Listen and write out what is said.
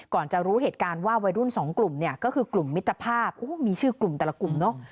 ก่อนจะรู้เหตุการณ์ว่าวัยรุ่นสองกลุ่มเนี่ยก็คือกลุ่มมิตรภาพมีชื่อกลุ่มแต่ละกลุ่มเนอะ